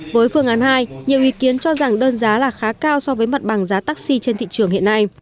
với phương án hai nhiều ý kiến cho rằng đơn giá là khá cao so với mặt bằng giá taxi trên thị trường hiện nay